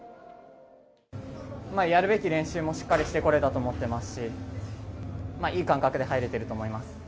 やるべき練習もしっかりしてこれたと思っていますし、かなりいい感覚で入れていると思います。